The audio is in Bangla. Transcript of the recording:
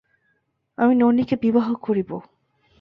আমি ননিকে বিবাহ করিব।